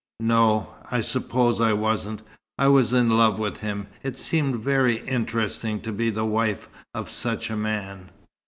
"No o. I suppose I wasn't. I was in love with him. It seemed very interesting to be the wife of such a man.